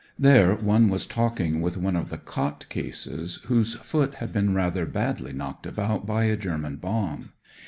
There one was talking with one of the cot cases, whose foot had been rather badly knocked about by a German bomb.